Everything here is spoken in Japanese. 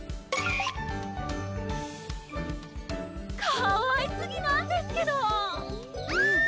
かわいすぎなんですけど